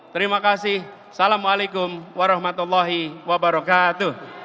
terima kasih assalamualaikum warahmatullahi wabarakatuh